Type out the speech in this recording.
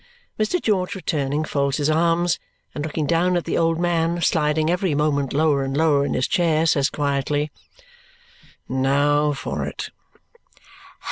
Mr. George, returning, folds his arms, and looking down at the old man, sliding every moment lower and lower in his chair, says quietly, "Now for it!"